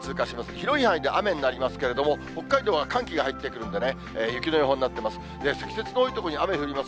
広い範囲で雨になりますけれども、北海道は寒気が入ってくるんでね、雪の予報になってます。